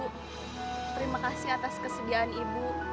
terima kasih atas kesediaan ibu